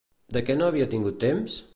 De què no havia tingut temps?